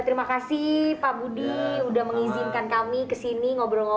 terima kasih pak budi sudah mengizinkan kami kesini ngobrol ngobrol